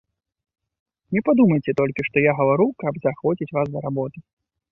Не падумайце толькі, што я гавару, каб заахвоціць вас да работы.